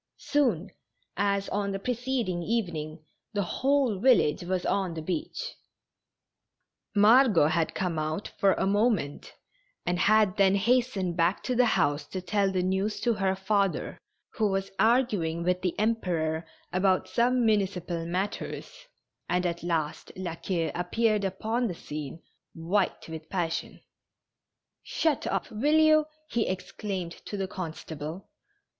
Soon, as on the preceding even ing, the whole village was on the beach. TASTING THE DRINK. 219 Margot had come out for a moment, and had then hastened back to the house to tell the news to her father, who was arguing with the Emperor about some munici pal matters, and at last La Queue appeared upon the scene, white with passion. " Shut up, will you !" he exclaimed to the constable.